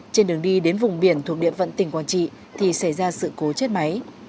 trên đường đi đến vùng biển thuộc điện vận tỉnh quảng trị thì xảy ra sự cố chết máy